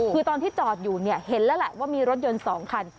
คือตอนที่จอดอยู่เนี่ยเห็นแล้วแหละว่ามีรถยนต์๒คัน